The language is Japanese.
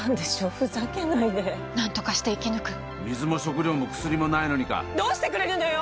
ふざけないでなんとかして生き抜く水も食料も薬もないのにかどうしてくれるのよ！